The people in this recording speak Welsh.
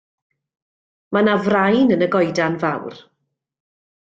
Mae 'na frain yn y goedan fawr.